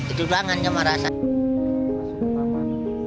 itu banget nyaman rasain